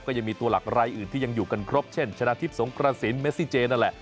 ก็ยังมีตัวหลักรายอื่นที่ยังอยู่กันครบเช่นชนะทิพย์สงกระสินเมซิเจนนั่นแหละ